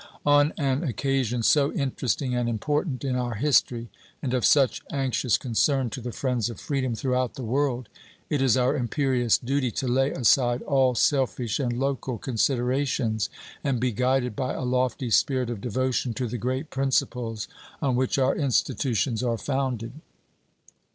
On an occasion so interesting and important in our history, and of such anxious concern to the friends of freedom throughout the world, it is our imperious duty to lay aside all selfish and local considerations and be guided by a lofty spirit of devotion to the great principles on which our institutions are founded.